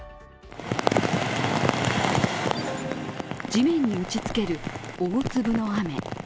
地面に打ちつける大粒の雨。